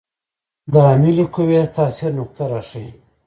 د عاملې قوې د تاثیر نقطه راښيي.